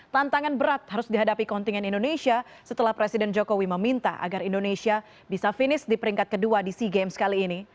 tantangan berat harus dihadapi kontingen indonesia setelah presiden jokowi meminta agar indonesia bisa finish di peringkat kedua di sea games kali ini